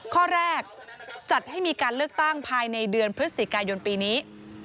ข้อแรกจัดให้มีการเลือกตั้งภายในเดือนพฤศจิกายนปีนี้